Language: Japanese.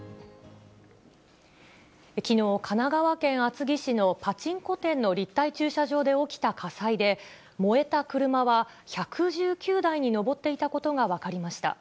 きのう、神奈川県厚木市のパチンコ店の立体駐車場で起きた火災で、燃えた車は１１９台に上っていたことが分かりました。